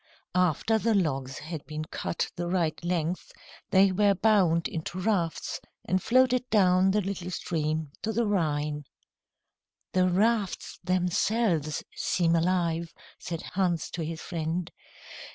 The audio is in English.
After the logs had been cut the right length, they were bound into rafts, and floated down the little stream to the Rhine. "The rafts themselves seem alive," said Hans to his friend.